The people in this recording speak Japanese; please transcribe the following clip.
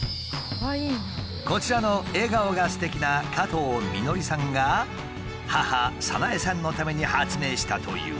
こちらの笑顔がすてきな加藤美典さんが母・早苗さんのために発明したという。